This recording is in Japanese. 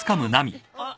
あっ。